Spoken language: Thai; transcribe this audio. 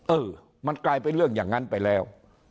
เออมันกลายเป็นเรื่องอย่างนั้นไปแล้ว